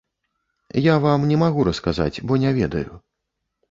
Я вам не магу расказаць, бо не ведаю.